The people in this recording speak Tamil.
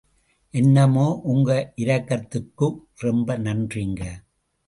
என்னமோ, உங்க இரக்கத்துக்கு ரொம்ப நன்றிங்க!